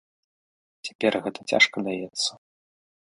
Цяпер гэта цяжка даецца.